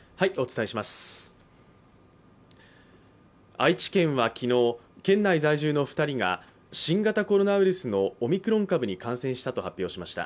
愛知県は昨日、県内在住の２人が新型コロナウイルスのオミクロン株に感染したと発表しました。